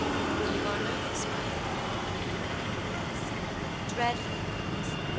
"You are nervous, my lady?" "Yes, dreadfully nervous.